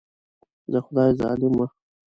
د خدای ظالمه.